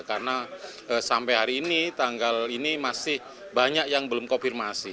karena sampai hari ini tanggal ini masih banyak yang belum konfirmasi